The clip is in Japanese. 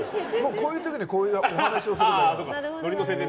こういう時にこういうお話をするんです。